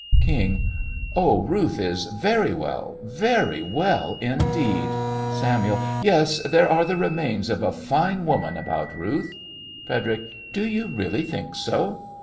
KING: Oh, Ruth is very well, very well indeed. SAMUEL: Yes, there are the remains of a fine woman about Ruth. FREDERIC: Do you really think so?